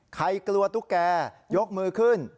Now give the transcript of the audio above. กลัวตุ๊กแกยกมือขึ้น